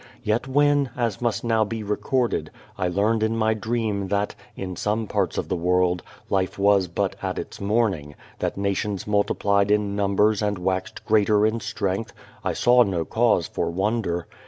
Yet when, as must now be recorded, I learned in my dream that, in some parts of the world, life was but at its morning, that nations multiplied in numbers and waxed greater in strength, I saw no cause for wonder.